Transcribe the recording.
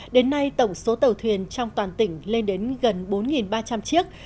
đến nay tổng số tàu thuyền trong toàn tỉnh lên đến gần bốn ba trăm linh chiếc